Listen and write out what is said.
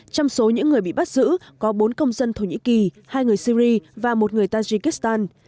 trong số những người bị bắt giữ có bốn công dân thổ nhĩ kỳ hai người syri và một người tajikistan